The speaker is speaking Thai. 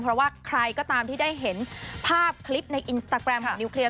เพราะว่าใครก็ตามที่ได้เห็นภาพคลิปในอินสตาแกรมของนิวเคลียร์